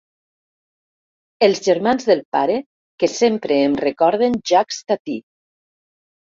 Els germans del pare que sempre em recorden Jacques Tati.